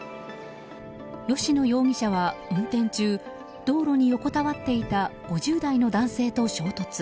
吉野容疑者は運転中道路に横たわっていた５０代の男性と衝突。